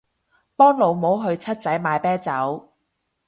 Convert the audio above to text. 幫老母去七仔買啤酒